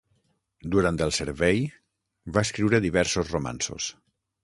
Durant el servei va escriure diversos romanços.